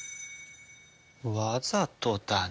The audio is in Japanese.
わざとだな？